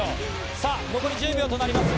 さあ、残り１０秒となります。